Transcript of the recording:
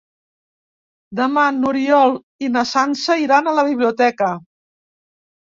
Demà n'Oriol i na Sança iran a la biblioteca.